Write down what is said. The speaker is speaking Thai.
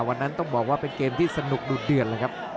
วันนั้นต้องบอกว่าเป็นเกมที่สนุกดูดเดือดเลยครับ